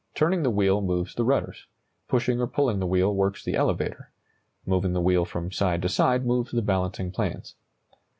Turning the wheel moves the rudders; pushing or pulling the wheel works the elevator; moving the wheel from side to side moves the balancing planes.